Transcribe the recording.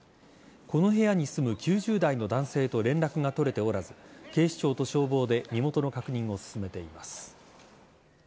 この部屋に住む９０代の男性と連絡が取れておらず警視庁と消防で身元の確認を進めています。